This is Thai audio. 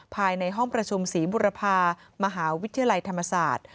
ภายในห้องประชุมศรีบุรพามหาวิทยาลัยธรรมศาสตร์